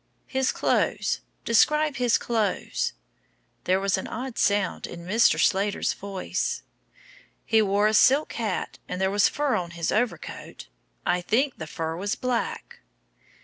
"His clothes. Describe his clothes." There was an odd sound in Mr. Slater's voice. "He wore a silk hat and there was fur on his overcoat. I think the fur was black."